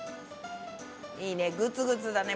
いいねグツグツだね。